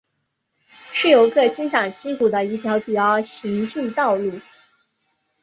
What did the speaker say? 是游客欣赏西湖的一条主要行进道路。